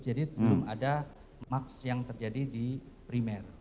jadi belum ada mats yang terjadi di primer